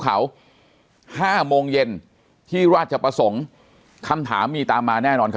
โข่๕มงเย็นที่ราชประทุมค้ำถามมีตามมาแน่นอน